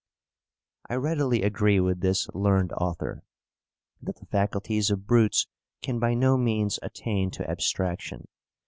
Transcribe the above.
I readily agree with this learned author, that the faculties of brutes can by no means attain to abstraction.